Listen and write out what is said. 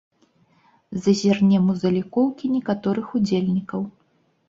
Зазірнем у залікоўкі некаторых удзельнікаў.